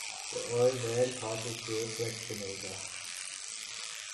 The oil then passes to a fractionator.